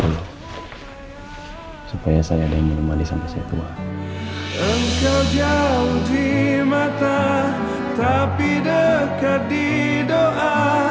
ayo supaya saya ada yang menemani sampai saya tua engkau jauh di mata tapi dekat di doa